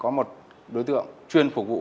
có một đối tượng chuyên phục vụ về hậu cần